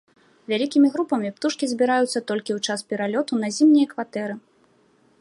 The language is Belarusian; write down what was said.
Вялікімі групамі птушкі збіраюцца толькі ў час пералёту на зімнія кватэры.